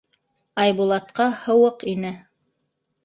Айбулатҡа һыуыҡ ине.